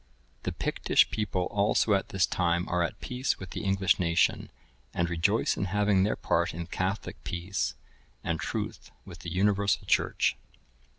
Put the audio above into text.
The Pictish people also at this time are at peace with the English nation, and rejoice in having their part in Catholic peace and truth with the universal Church.